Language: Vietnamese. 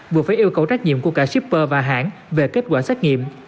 vừa phải yêu cầu trách nhiệm của cả shipper và hãng về kết quả xét nghiệm